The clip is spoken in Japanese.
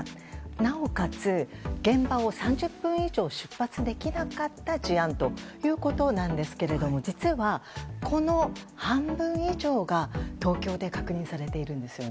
なおかつ、現場を３０分以上出発できなかった事案ということですが実は、この半分以上が東京で確認されているんです。